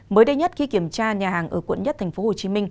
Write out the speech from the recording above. mới đây nhất khi kiểm tra nhà hàng ở quận một tp hcm